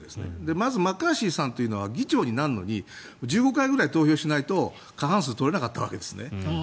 まずマッカーシーさんというのは議長になるのに１５回くらい投票しないと過半数を取れなかったわけですね。